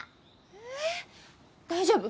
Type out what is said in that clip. えぇ大丈夫？